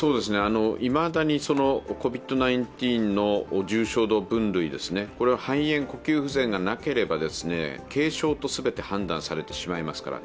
いまだにＣＯＶＩＤ−１９の重症度範囲ですね、肺炎呼吸不全がなければ軽症とすべて判断されてしまいますから。